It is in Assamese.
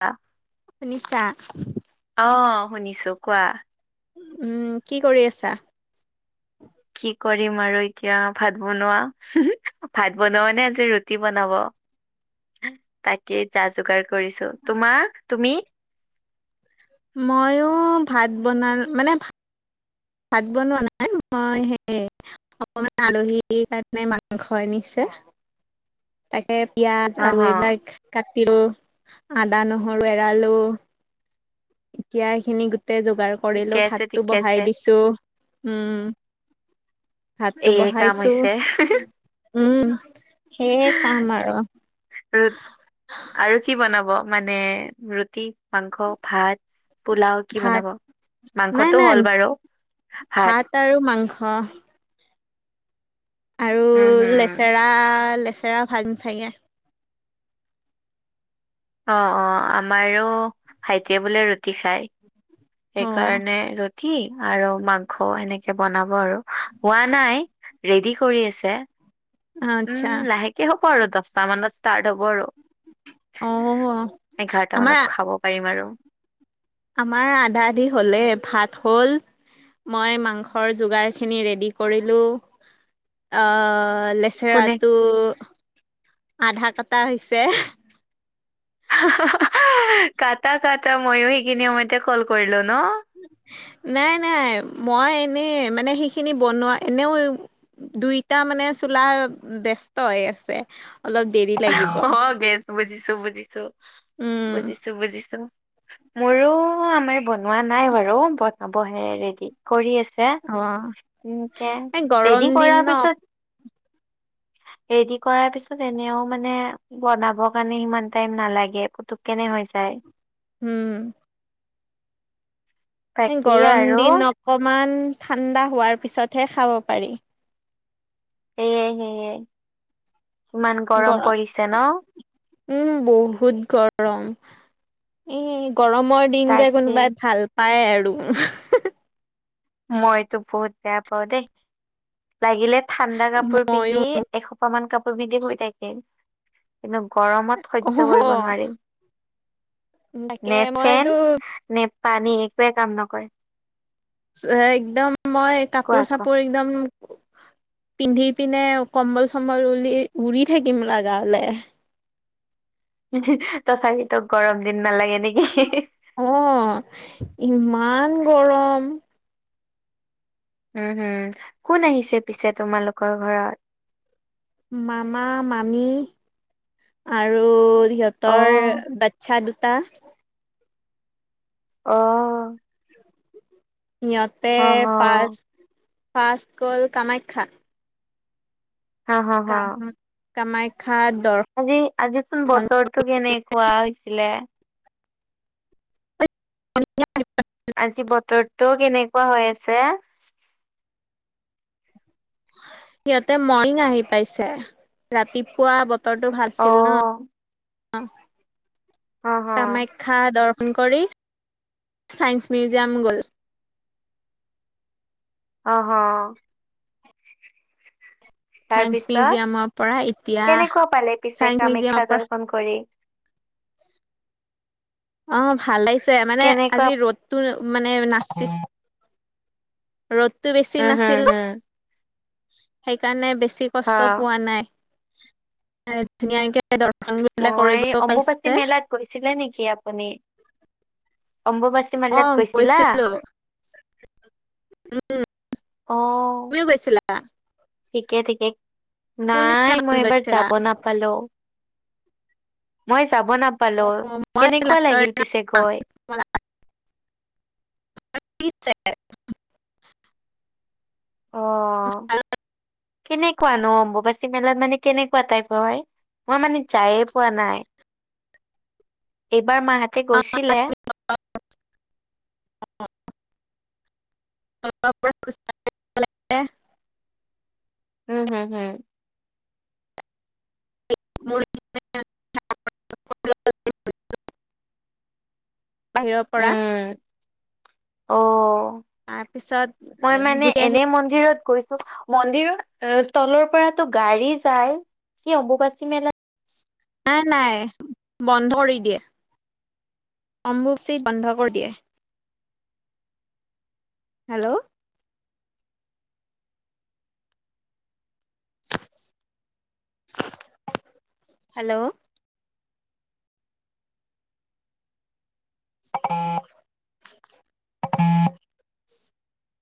আ। শুনিছা? অ শুনিছো, কোৱা? উম কি কৰি আছা? কি কৰিম আৰু এতিয়া ভাত বনোৱা। ভাত বনাব নে আজি ৰুটি বনাব? তাকে যা যোগাৰ কৰিছো। তোমাৰ তুমি? ময়ো ভাত বনাম মানে ভা- ভাত বনোৱা নাই মই সেই, অকমান আলহীৰ কাৰণে মাংস আনিছে। তাকে পিয়াজ অ আৰু হ এইবিলাক কাটিলো। আদা নহৰু এৰালো। এতিয়া এইখিনি গোটেই যোগাৰ কৰিলো ঠিকে আছে ভাতটো ঠিকে আছে বহাই দিছো। উম, ভাতটো এয়ে কাম বহাইছো হৈছে উম। সেই কাম আৰু। ৰু আৰু কি বনাব মানে ৰুটি, মাংস, ভাত? পোলাও কি ভাত বনাব? নাই মাংসটো নাই হ'ল বাৰু। ভাত আৰু মাংস। আৰু উম হম লেচৰা লেচৰা ভাজিম চাগে। অ অ আমাৰো ভাইটিয়ে বোলে ৰুটি খাই। অ সেইকাৰণে ৰু কি? আৰু মাংস এনেকে বনাব আৰু। হোৱা নাই, ৰেডি কৰি আছে। আচ্ছা উম লাহেকে হ'ব আৰু দহটা মানত ষ্টাৰ্ট হ'ব আৰু। অ এঘাৰটা মানত আমাৰ খাব পাৰিম আৰু। আমাৰ আধা আধি হ'লে, ভাত হ'ল। মই মাংসৰ যোগাৰ খিনি ৰেডি কৰিলো। অ কোনে চেৰাটো আধা কাটা হৈছে। হাহ হাহ হাহ, কাটা কাটা ময়ো সেইখিনি সমময়তে কল কৰিলো ন? নাই নাই মই এনেই মানে সেইখিনি বনোৱা এনেও দুইটা মানে চোলা ব্যস্ত হৈ আছে। [unintelligible] অলপ দেৰি [unintelligible] অঁ [unintelligible] গেছ বুজিছোঁ-বুজিছোঁ [inaudible] উম বুজিছোঁ-বুজিছোঁ। মোৰো আমাৰ বনোৱা নাই বাৰু, বনাবহে ৰেডি কৰি আছোঁ। অ [inaudible] [unintelligible] এই গৰম ৰেডি দিন কৰাৰ ন পিছত [unintelligible] ৰেডি কৰাৰ পিছত এনেও মানে বনাবৰ কাৰণে সিমান টাইম নালাগে, পুতুক কেনে হৈ যায়। [unintelligible] উম। [unintelligible] বাকী গৰম আৰু দিন অকমান, ঠাণ্ডা হোৱাৰ পিছতহে খাব পাৰি। সেয়াই-সেয়াই [inaudible] ইমান গৰম পৰিছে ন? উম বহুত গৰম। [unintelligible] এ গৰমৰ দিন যে তাকে কোনোবাই ভাল পায় আৰু [unintelligible] মইতো বহুত বেয়া পাওঁ দেই। লাগিলে ঠাণ্ডা কাপোৰ পিন্ধি মইয়ো এসোপাহমান কাপোৰ পিন্ধি শুই থাকিম। [unintelligible] কিন্তু গৰমত অ সহ্য কৰিব নোৱাৰিম। [unintelligible] [unintelligible] তাকে নে ফেন, মইতো নে পানী একোৱেই কাম নকৰে। [unintelligible] একদম মই কোৱা আকৌ কাপোৰ-চাপোৰ একদম [unintelligible] পিন্ধি পিনে কম্বল-চম্বল উলি উৰি থাকিম লাগা হ'লে। [inaudible] তথাপিওতো গৰম দিন নালাগে নেকি? [unintelligible] উম! ইমান গৰম। [unintelligible] উম হুম। কোন আহিছে পিছে তোমালোকৰ ঘৰত? [unintelligible] মামা-মামী আৰু [unintelligible] অ সিহঁতৰ বাচ্ছা দুটা [unintelligible] অ [unintelligible] সিহঁতে অ হ ফাৰ্ষ্ট [inaudible] ফাৰ্ষ্ট গ'ল কামাখ্যা। হা হা কামা [unintelligible] কামাখ্যা দৰ আজি-আজি চোন বতৰটো কেনেকুৱা হৈছিলে? [inaudible] [inaudible] [unintelligible] আজি বতৰটো কেনেকুৱা হৈ আছে? [unintelligible] সিহঁতে মৰ্ণিং আহি পাইছে। ৰাতিপুৱা [unintelligible] বতৰটো ভাল অ আছিল ন। [unintelligible] অ হ কামা [unintelligible] খ্যা দৰ্শন কৰি, চাইন্স মিউজিয়াম গ'ল। অঁ, অহ [unintelligible] তাৰ চাইন্স পিছত মিউজিয়ামৰ পৰা [inaudible] এতিয়া কেনেকুৱা পালে পিছে চাইন্স মিউজিয়ামৰ কামাখ্যা পৰা দৰ্শন কৰি? অঁ ভাল লাগিছে, মানে কেনেকুৱা আজি ৰ'দটো মানে নাছিল [unintelligible] ৰ'দটো বেছি উম হম নাছিল। [unintelligible] হম সেইকাৰণে বেছি হ কষ্ট পোৱা নাই। [unintelligible] ধুনীয়াকে দৰ্শন [unintelligible] পেলাই মই কৰিব অম্বুবাচী পাইছে। মেলাত গৈছিলে নেকি আপুনি [inaudible] অম্বুবাচী? [unintelligible] অ হিমালয়ত গৈছিলা? [inaudible] গৈছিলো অঁ। [unintelligible] গৈছিলা? ঠিকে-ঠিকে। নাই কোনদিনাখন মই এইবাৰ গৈছিলা যাব নাপ [unintelligible] [unintelligible] পালো [inaudible] মই যাব নাপ নাপালো [inaudible] মই কেনেকুৱা লাষ্টৰ লাগিল পিছে গৈ? [unintelligible] অ [unintelligible] কেনেকুৱা ন অম্বুবাচি মেলা মানে কেনেকুৱা টাইপৰ হয় মই মানে যায়ে পোৱা নাই। [inaudible] এইবাৰ মাহঁতে গৈছিলে। অ অ। [unintelligible] উম হুম হুম। [unintelligible] বাহিৰৰ পৰা উম অ মই তাৰপিছত মানে গুচি আহি এনে মন্দিৰত গৈছো মন্দিৰ তলৰ পৰাতো গাড়ী যায় কি অম্বুবাচী মেলাত নাই নাই বন্ধ কৰি দিয়ে। অম্বুবাচি বন্ধ কৰি দিয়ে হেল্ল'। হেল্ল'। [unintelligible] [inaudible]